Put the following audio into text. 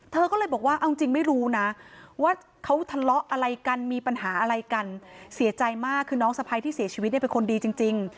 เธอก็เลยบอกว่าเอาจริงไม่รู้นะว่าเขาทะเลาะอะไรกันมีปัญหาอะไรกันเสียใจมากคือน้องสะพ้ายที่เสียชีวิตเนี่ยเป็นคนดีจริง